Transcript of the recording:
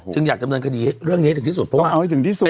อยากดำเนินคดีเรื่องนี้ให้ถึงที่สุดเพราะว่าเอาให้ถึงที่สุด